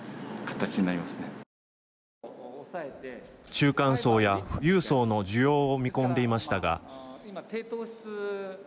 中間層や富裕層の需要を見込んでいましたが。